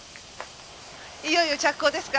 いよいよ着工ですか？